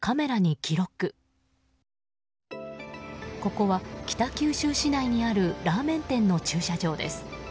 ここは北九州市内にあるラーメン店の駐車場です。